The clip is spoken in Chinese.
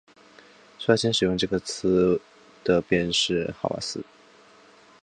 率先使用这个词的便是哈瓦斯。